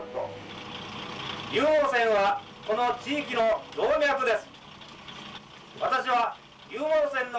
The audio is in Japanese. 湧網線はこの地域の動脈です。